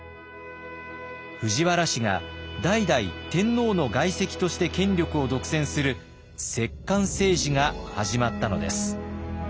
藤原氏が代々天皇の外戚として権力を独占する摂関政治が始まったのです。